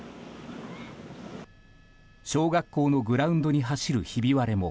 小学校のグランドに走るひび割れも